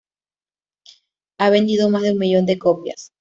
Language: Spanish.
Ha vendido más de un millón de copias.